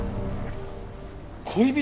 恋人？